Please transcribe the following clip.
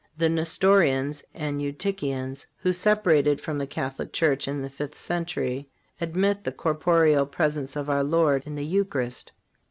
The Nestorians and Eutychians, who separated from the Catholic Church in the fifth century, admit the corporeal presence of our Lord in the Eucharist.